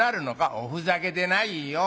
「おふざけでないよ。